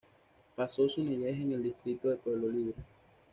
Pasó su niñez en el distrito de Pueblo Libre.